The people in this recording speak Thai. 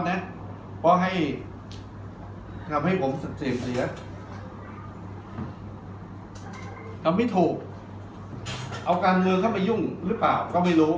ทำให้ผมเสี่ยเอาไม่ถูกเอาการเงินเข้าไปยุ่งหรือเปล่าก็ไม่รู้